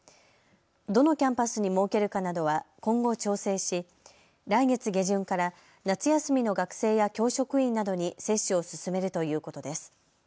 どのキャンパスに設けるかなどは今後、調整し、来月下旬から夏休みの学生や教職員などに接種を進めるということです。